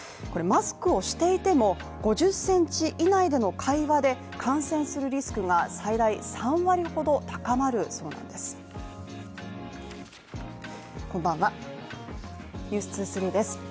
これマスクをしていても、５０センチ以内での会話で感染するリスクが最大３割ほど高まるそうなんです。